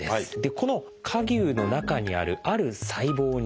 この蝸牛の中にあるある細胞に注目します。